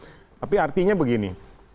tapi artinya begini